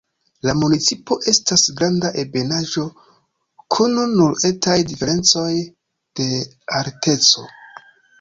La municipo estas granda ebenaĵo kun nur etaj diferencoj de alteco.